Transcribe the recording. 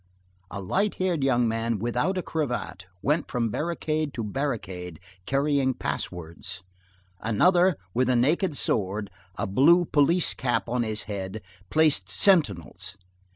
A light haired young man, without a cravat, went from barricade to barricade, carrying pass words. Another, with a naked sword, a blue police cap on his head, placed sentinels.